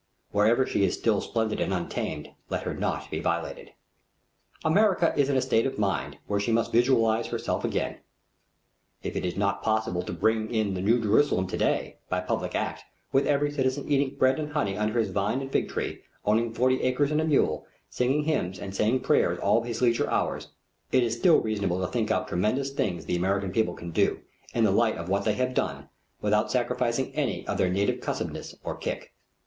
Wherever she is still splendid and untamed, let her not be violated. America is in the state of mind where she must visualize herself again. If it is not possible to bring in the New Jerusalem to day, by public act, with every citizen eating bread and honey under his vine and fig tree, owning forty acres and a mule, singing hymns and saying prayers all his leisure hours, it is still reasonable to think out tremendous things the American people can do, in the light of what they have done, without sacrificing any of their native cussedness or kick.